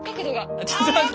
ちょっちょっと待って！